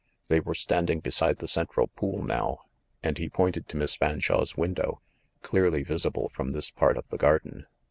They were standing beside the central pool now, and he pointed to Miss Fanshawe's window, clearly visible from this part of the garden.